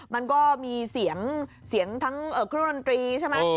มันก็มีเสียงทั้งเครื่องดนตรีใช่ไหม